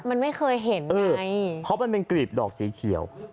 มันไม่เคยเห็นไงเพราะมันเป็นกลีบดอกสีเขียว